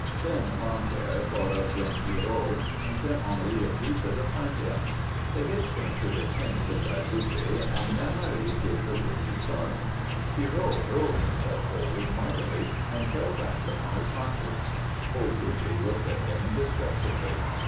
Then Gran'père thought of young Pierrot and sent Henri and Lisa to find him. They hitched him to the chain beside Luppe and Mère Marie gave the word to start. Pierrot hurled himself forward mightily and fell back upon his haunches. Old Luppe looked at him disgustedly.